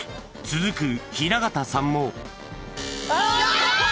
［続く雛形さんも］